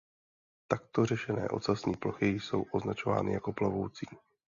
Takto řešené ocasní plochy jsou označovány jako „plovoucí“.